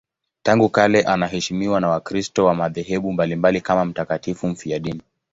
Tangu kale anaheshimiwa na Wakristo wa madhehebu mbalimbali kama mtakatifu mfiadini.